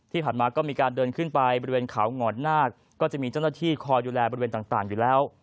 ที่ผ่านมาก็มีการเดินขึ้นไปบริเวณเขาหงอนนาคก็จะมีเจ้าหน้าที่คอยดูแลบริเวณต่างอยู่แล้ว